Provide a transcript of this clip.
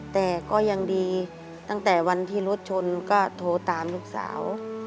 แต่ก็ยังดีตั้งแต่วันที่รถชนก็โทรตามลูกสาว